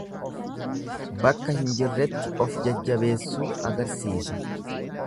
Bakka hin jirretti of jajjabeessuu agarsiisa.